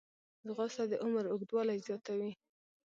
ځغاسته د عمر اوږدوالی زیاتوي